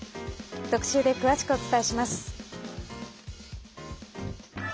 特集で詳しくお伝えします。